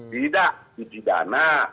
tidak uji dana